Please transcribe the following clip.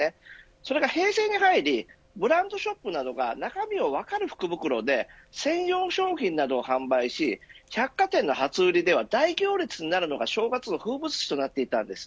それが平成に入りブランドショップなどが中身も分かる福袋で専用商品などを販売し百貨店の初売りでは大行列になるのが正月の風物詩となっていたんです。